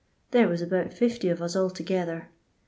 There was about 60 of us altogether.